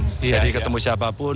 jadi ketemu siapapun